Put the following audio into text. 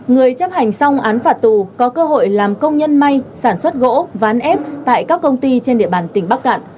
người chấp hành xong án phạt tù có cơ hội làm công nhân may sản xuất gỗ ván ép tại các công ty trên địa bàn tỉnh bắc cạn